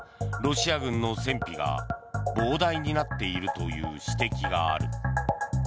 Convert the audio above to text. ロシア軍の戦費が膨大になっているという指摘がある。